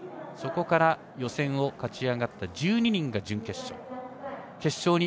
そこから、予選を勝ち上がった１２人が準決勝。